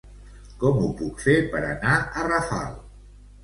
Com ho puc fer per anar a Rafal?